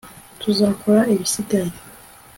tuzakora ibisigaye